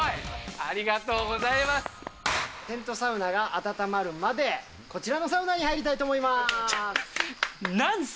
ありがとうございまテントサウナが温まるまで、こちらのサウナに入りたいと思います。